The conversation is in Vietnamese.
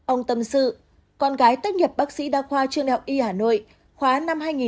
ông tâm sự con gái tất nghiệp bác sĩ đa khoa trường đại học y hà nội